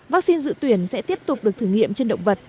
vaccine dự tuyển sẽ tiếp tục được thử nghiệm trên động vật